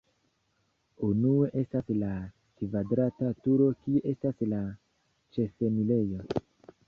Unue estas la kvadrata turo, kie estas la ĉefenirejo.